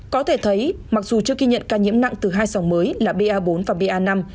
có thể thấy mặc dù chưa ghi nhận ca nhiễm nặng từ hai sòng mới là ba bốn và ba năm